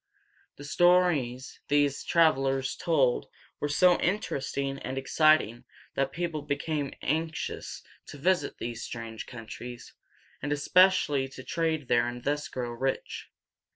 The stories these travelers told were so interesting and exciting that people became anxious to visit these strange countries, and especially to trade there and thus grow rich.